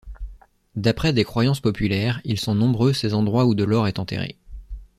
D'après des croyances populaires, ils sont nombreux ces endroits où de l'or est enterré.